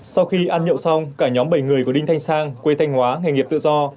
sau khi ăn nhậu xong cả nhóm bảy người của đinh thanh sang quê thanh hóa nghề nghiệp tự do